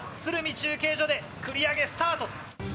中継所で繰り上げスタート。